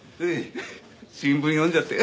新聞読んじゃって。